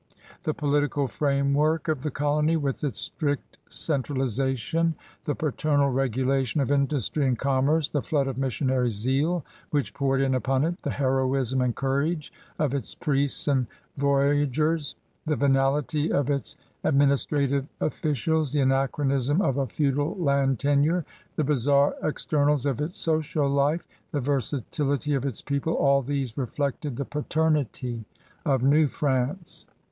The political framework of the colony, with its strict centralization, the paternal regulation of industry and commerce, the flood of missionary zeal which poured in upon it, the heroism and courage of its priests and voyageurs, the venality of its administrative officials, the anachronism of a feudal land tenure, the bizarre ^ctei; pals of its social life, the versatility of its people — all these reflected the paternity of New France.